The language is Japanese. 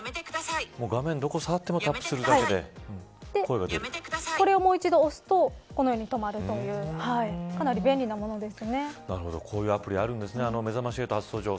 画面のどこを触ってもタップするだけでこれをもう一度押すとこのように止まるというかなり便利なものです。